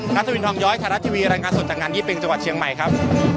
นัทวินทองย้อยไทยรัฐทีวีรายงานสดจากงานยี่เป็งจังหวัดเชียงใหม่ครับ